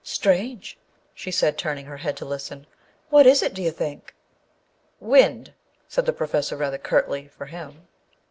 " Strange/' she said, turning her head to listen. " What is it, do you think ?"" Wind," said the Professor rather curtly, for him.